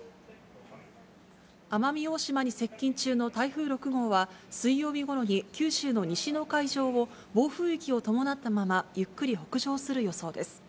奄美大島に接近中の台風６号は、水曜日ごろに九州の西の海上を暴風域を伴ったままゆっくり北上する予想です。